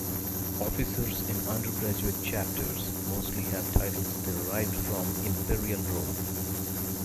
Officers in undergraduate chapters mostly have titles derived from Imperial Rome.